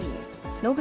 野口